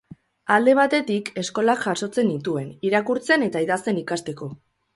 Alde batetik, eskolak jasotzen nituen, irakurtzen eta idazten ikasteko.